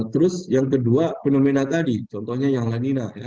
terus yang kedua fenomena tadi contohnya yang lanina ya